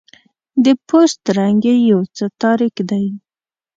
د پوست رنګ یې یو څه تاریک دی.